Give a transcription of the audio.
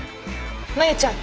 真夕ちゃん